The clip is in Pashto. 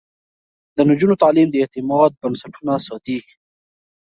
د نجونو تعليم د اعتماد بنسټونه ساتي.